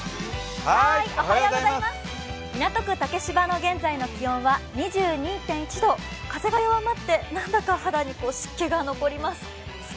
港区竹芝の現在の気温は２２．１度、風が弱まって、なんだか肌に湿気が残ります。